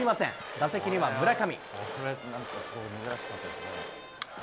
打席には村上。